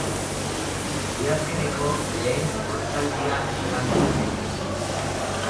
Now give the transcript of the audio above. Udazkeneko lehen hotzaldia izan daiteke.